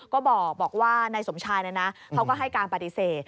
ก็บอกว่านายสมชายเขาก็ให้การปฏิเสธ